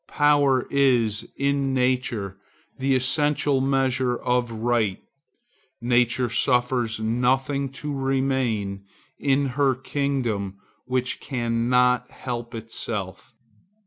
Power is, in nature, the essential measure of right. Nature suffers nothing to remain in her kingdoms which cannot help itself.